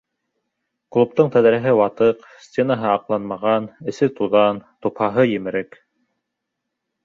Клубтың тәҙрәһе ватыҡ, стенаһы аҡланмаған, эсе туҙан, тупһаһы емерек.